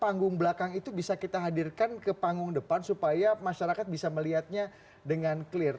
panggung belakang itu bisa kita hadirkan ke panggung depan supaya masyarakat bisa melihatnya dengan clear